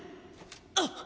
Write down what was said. あっ。